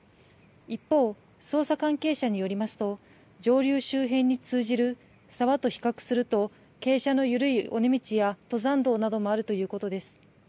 一方、捜査関係者によりますと、上流周辺に通じる沢と比較すると、傾斜の緩い尾根道や登山道などもあるということです。